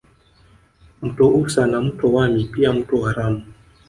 Mto Usa na mto Wami pia mto Waramu